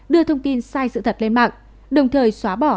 đưa thông tin sai sự thật lên mạng đồng thời xóa bỏ